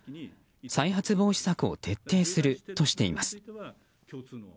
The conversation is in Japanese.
再発防止策を徹底するとしています。